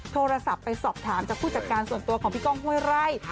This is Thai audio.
โทรศัพท์ไปสอบถามจากผู้จัดการส่วนตัวของพี่ก้องห้วยไร่